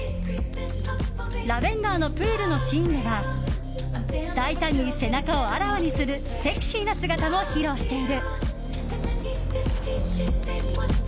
ラヴェンダーのプールのシーンでは大胆に背中をあらわにするセクシーな姿も披露している。